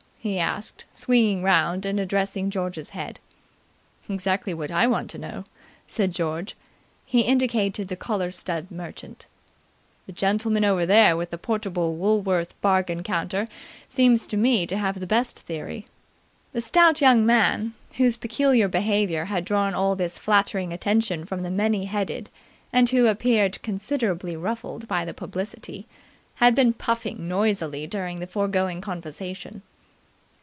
he asked, swinging around and addressing George's head. "Exactly what I want to know," said George. He indicated the collar stud merchant. "The gentleman over there with the portable Woolworth bargain counter seems to me to have the best theory." The stout young man, whose peculiar behaviour had drawn all this flattering attention from the many headed and who appeared considerably ruffled by the publicity, had been puffing noisily during the foregoing conversation.